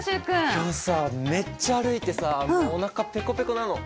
今日さめっちゃ歩いてさもうおなかペコペコなの。